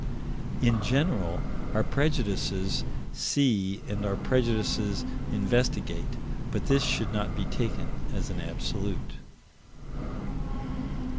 In general, our prejudices see and our prejudices investigate, but this should not be taken as an absolute.